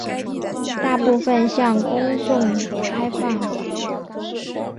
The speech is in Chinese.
大部分向公众开放。